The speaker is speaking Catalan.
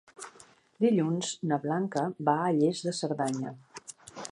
Dilluns na Blanca va a Lles de Cerdanya.